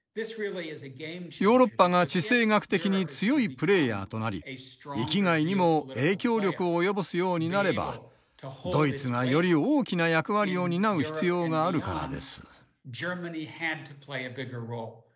ヨーロッパが地政学的に強いプレーヤーとなり域外にも影響力を及ぼすようになればドイツがより大きな役割を担う必要があるからです。